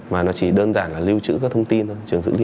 mà nó chỉ đơn giản là lưu trữ các thông tin thôi trường dữ liệu thôi